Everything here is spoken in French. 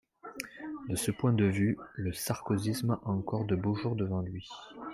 De ce point de vue, le sarkozysme a encore de beaux jours devant lui.